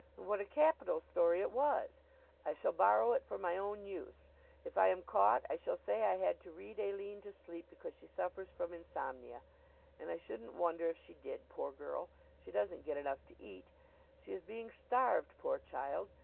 "And what a capital story it was! I shall borrow it for my own use. If I am caught I shall say I had to read Aline to sleep because she suffers from insomnia. And I shouldn't wonder if she did poor girl! She doesn't get enough to eat. She is being starved poor child!